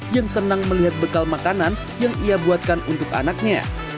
yang senang melihat bekal makanan yang ia buatkan untuk anaknya